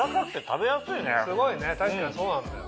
すごいね確かにそうなんだよ。